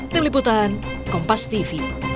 tim liputan kompas tv